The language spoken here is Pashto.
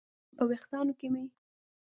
په ویښتانو کې مې